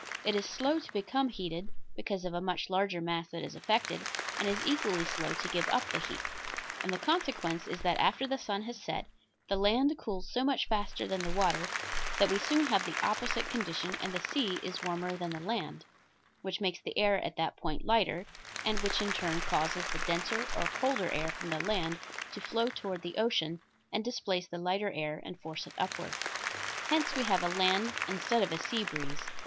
It is slow to become heated, because of a much larger mass that is affected, and is equally slow to give up the heat. And the consequence is that after the sun has set, the land cools so much faster than the water that we soon have the opposite condition, and the sea is warmer than the land, which makes the air at that point lighter, and which in turn causes the denser or colder air from the land to flow toward the ocean, and displace the lighter air and force it upward; hence we have a land instead of a sea breeze.